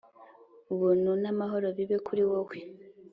Ubuntu n’amahoro bibe kuri wowe